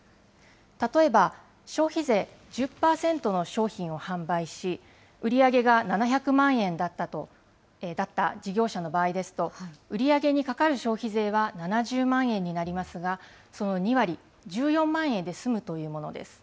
例えば消費税１０％の商品を販売し、売り上げが７００万円だった事業者の場合ですと、売り上げにかかる消費税は７０万円になりますが、その２割、１４万円で済むというものです。